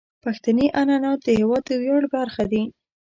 پښتني عنعنات د هیواد د ویاړ برخه دي.